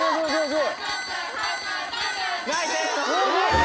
すごい！